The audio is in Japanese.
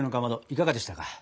いかがでしたか？